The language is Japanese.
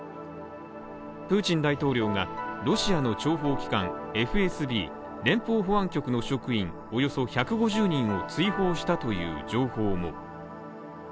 プーチン大統領が、ロシアの諜報機関ＦＳＢ＝連邦保安庁の職員およそ１５０人を追放したという情報も。